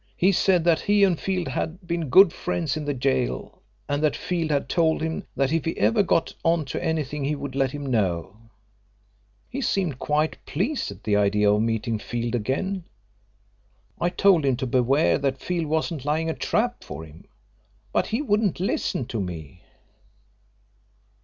He said that he and Field had been good friends in the gaol, and that Field had told him that if he ever got on to anything he would let him know. He seemed quite pleased at the idea of meeting Field again. I told him to beware that Field wasn't laying a trap for him, but he wouldn't listen to me.